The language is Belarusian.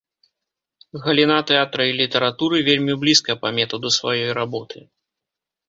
Галіна тэатра і літаратуры вельмі блізка па метаду сваёй работы.